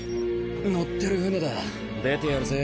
乗ってる船だ出てやるぜ。